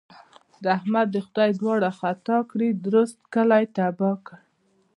د احمد دې خدای دواړې خطا کړي؛ درست کلی يې تباه کړ.